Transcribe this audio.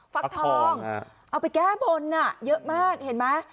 ฟักทองเอาไปแก้บนอ่ะเยอะมากเห็นมั้ย